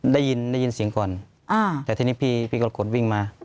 ได้ยินได้ยินเสียงก่อนแต่ทีนี้พี่กรกฎวิ่งมา